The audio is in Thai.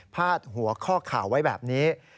พาดหัวข้อข่าวไว้แบบนี้